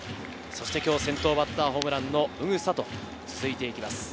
今日先頭バッターホームランの宇草と続いていきます。